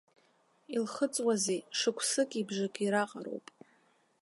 Илхыҵуазеи, шықәсыки бжаки раҟароуп.